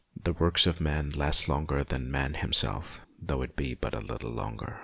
The works of man last longer than man himself, though it be but a little longer.